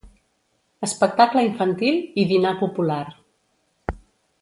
Espectacle infantil i dinar popular.